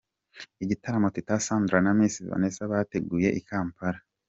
Igitaramo Teta Sandra na Miss Vanessa bateguye i Kampala.